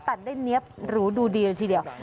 ตัดได้เนี๊ยบหรูดูดีเลยทีเดียว